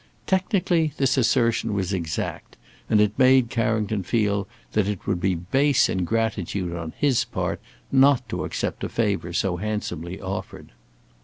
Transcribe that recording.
Technically this assertion was exact, and it made Carrington feel that it would be base ingratitude on his part not to accept a favour so handsomely offered.